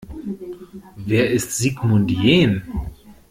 Wer ist Sigmund Jähn?